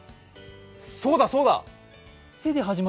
そうだそうだ！